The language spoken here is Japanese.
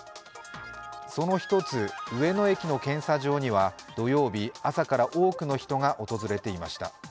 その一つ、上野駅の検査場には土曜日朝から多くの人が訪れていました。